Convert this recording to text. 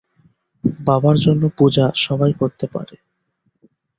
বাবার জন্য "পূজা" সবই করতে পারে।